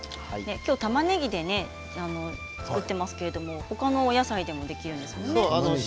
きょうはたまねぎで作っていますけれどほかのお野菜でもいいんですよね。